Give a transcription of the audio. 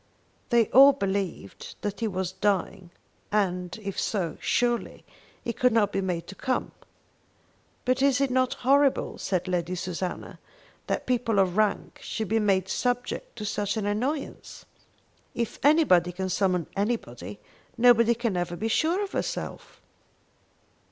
They all believed that he was dying, and, if so, surely he could not be made to come. "But is it not horrible," said Lady Susanna, "that people of rank should be made subject to such an annoyance! If anybody can summon anybody, nobody can ever be sure of herself!"